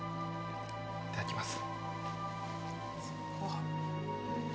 いただきます。